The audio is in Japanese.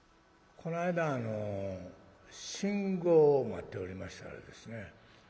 この間あの信号を待っておりましたらですね